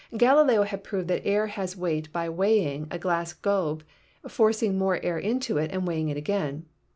Galileo had proved that air has weight by weighing, a glass globe, forcing more air into it and weighing it again.